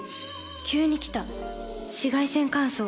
急に来た紫外線乾燥。